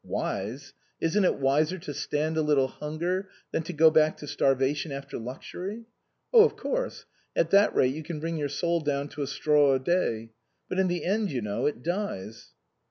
" Wise ? Isn't it wiser to stand a little hunger than to go back to starvation after luxury ?" "Oh, of course; at that rate you can bring your soul down to a straw a day. But in the end, you know, it dies."